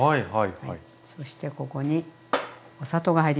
はい。